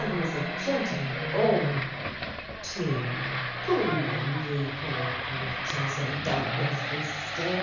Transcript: he's a gintleman born! II. Coom thin, ye poor craytures and don't yez be scairt!